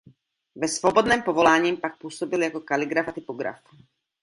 Ve svobodném povolání pak působil jako kaligraf a typograf.